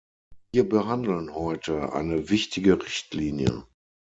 Wir behandeln heute eine wichtige Richtlinie.